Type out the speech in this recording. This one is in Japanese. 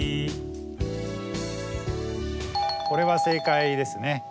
これは正解ですね。